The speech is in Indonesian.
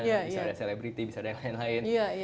bisa ada selebriti bisa ada yang lain lain